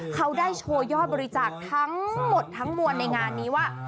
เขาได้โชว์ยอดบริจาคทั้งหมดทั้งมวลในงานนี้ว่า